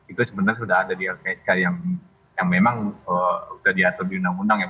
itu sebenarnya sudah ada di lpsk yang memang sudah diatur di undang undang